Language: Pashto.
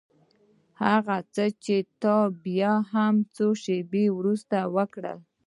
هغه څه چې تا بيا څو شېبې وروسته وکړل.